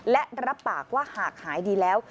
และรับปากว่าหากหายดีแล้ว